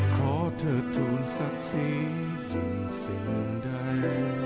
ขอเธอทูลศักดิ์ศรียิ่งสิ่งใด